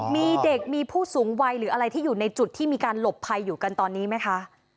มีเด็กมีผู้สูงวัยหรืออะไรที่อยู่ในจุดที่มีการหลบภัยอยู่กันตอนนี้ไหมคะ